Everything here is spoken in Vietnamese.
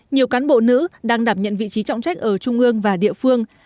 nhiều cán bộ nữ đang đảm nhận vị trí trọng trách ở trung ương và địa phương